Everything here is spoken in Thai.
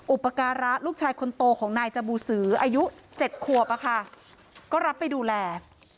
อุปการะลูกชายคนโตของนายจบูสืออายุ๗ขวบก็รับไปดูแล